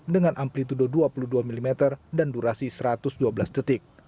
dengan amplitude dua puluh dua mm dan durasi satu ratus dua belas detik